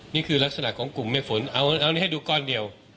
นี่คือลักษณะของกลุ่มเมฆฝนเอานี้ให้ดูก้อนเดียว